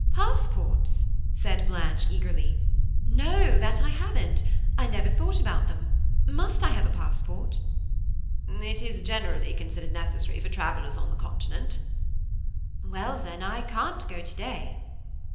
"Passports!" said Blanche eagerly, "no, that I haven't. I never thought about them. Must I have a passport?" "It is generally considered necessary for travellers on the continent." "Well then, I can't go to day."